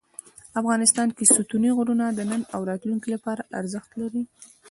افغانستان کې ستوني غرونه د نن او راتلونکي لپاره ارزښت لري.